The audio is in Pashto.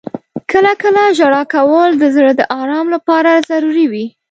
• کله کله ژړا کول د زړه د آرام لپاره ضروري وي.